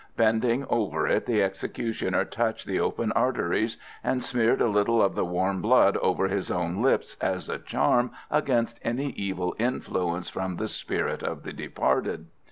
Bending over it, the executioner touched the open arteries, and smeared a little of the warm blood over his own lips as a charm against any evil influence from the spirit of the departed.